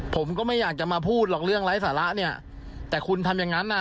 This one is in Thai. ผมก็ไม่อยากจะมาพูดหรอกเรื่องไร้สาระเนี่ยแต่คุณทำอย่างนั้นอ่ะ